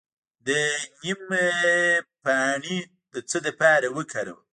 د نیم پاڼې د څه لپاره وکاروم؟